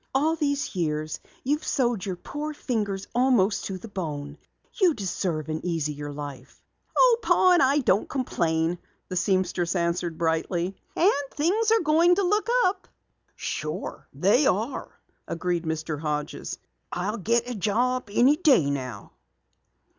"All these years you've sewed your poor fingers almost to the bone. You deserve an easier life." "Oh, Pa and I don't complain," the seamstress answered brightly. "And things are going to look up." "Sure they are," agreed Mr. Hodges. "I'll get a job any day now."